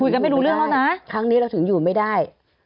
ก็นี่เนี่ยค่ะครั้งนี้เราถึงอยู่ไม่ได้